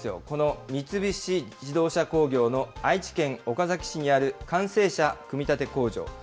この三菱自動車工業の愛知県岡崎市にある完成車組み立て工場。